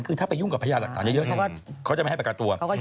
คือถ้าไปยุ่งกับพยานหลักฐานเยอะเขาจะไม่ให้ประกันตัว